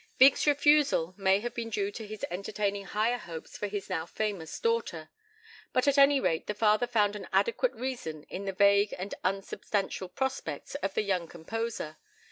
Wieck's refusal may have been due to his entertaining higher hopes for his now famous daughter, but at any rate the father found an adequate reason in the vague and unsubstantial prospects of the young composer.